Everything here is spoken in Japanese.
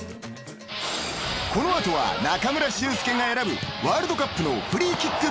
［この後は中村俊輔が選ぶワールドカップのフリーキック